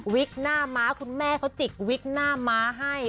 หน้าม้าคุณแม่เขาจิกวิกหน้าม้าให้